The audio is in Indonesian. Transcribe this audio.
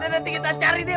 udah nanti kita cari deh